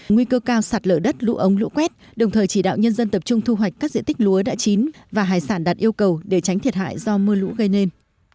nguy cơ cao sạt lở đất lũ ống lũ quét đồng thời chỉ đạo nhân dân tập trung thu hoạch các diện tích lúa đã chín và hải sản đạt yêu cầu để tránh thiệt hại do mưa lũ gây nên